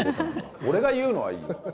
俺が言うのはいいよ。